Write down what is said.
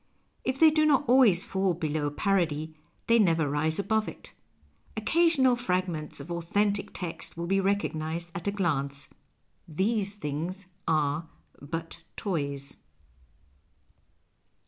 If they do not always fall below jiarody, they never rise above it. Occasional fragments of authentic text will be recognized at a glance. " These Things are but Toves."